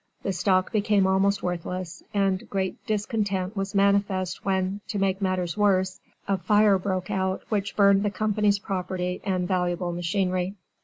The stock became almost worthless, and great discontent was manifest when, to make matters worse, a fire broke out which burned the company's property and valuable machinery.